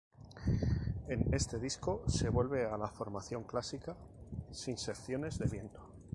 En este disco, se vuelve a la formación clásica, sin secciones de viento.